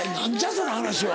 その話は。